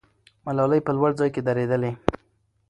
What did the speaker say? ملالۍ په لوړ ځای کې درېدلې.